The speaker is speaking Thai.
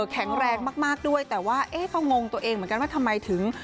แข็งแรงมากด้วยแต่ว่าเอ๊ะเขางงตัวเองเหมือนกันว่าทำไมถึง